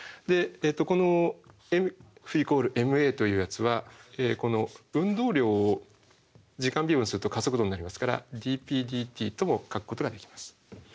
このＦ＝ｍａというやつはこの運動量を時間微分すると加速度になりますからｄｐｄｔとも書くことができます。